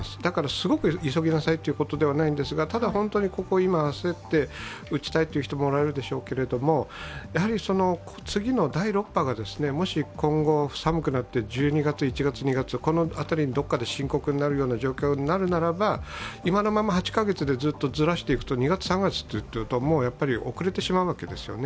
すごく急ぎなさいということではないんですがただ、本当に焦って打ちたいという方もいらっしゃるでしょうけどやはり次の第６波がもし今後寒くなって、１２月、１月、２月、この辺りのどこかで深刻になる状況になるならば今のまま８カ月でずっとずらしていくと、２月、３月というともうやっぱり遅れてしまうわけですよね。